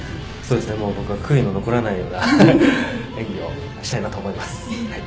僕は悔いの残らない演技をしたいなと思います。